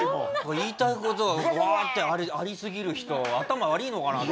言いたい事がワーってありすぎる人は頭悪ぃのかなと。